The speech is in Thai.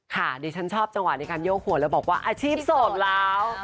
ดิฉันชอบจังหวะในการโยกหัวแล้วบอกว่าอาชีพโสดแล้ว